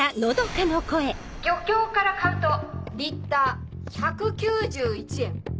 漁協から買うとリッター１９１円。